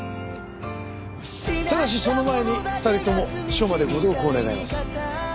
ただしその前に２人とも署までご同行願います。